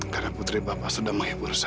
karena putri bapak sudah menghibur saya